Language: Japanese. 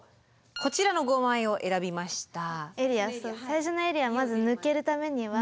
こちらの５枚を選びました。